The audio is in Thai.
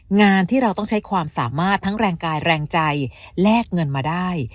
งานที่เราต้องใช้ความสามารถทั้งแรงกายแรงใจแลกเงินมาได้